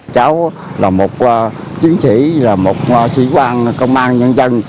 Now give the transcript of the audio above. cháu là một chiến sĩ là một sĩ quan công an nhân dân